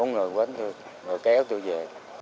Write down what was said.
ba bốn người quến tôi rồi kéo tôi về